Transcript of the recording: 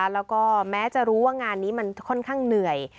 แล้วก็แม้จะรู้ว่างานนี้มันค่อนข้างเหนื่อย